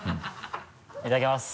いただきます。